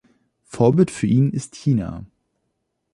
Vorbild für ihn ist China.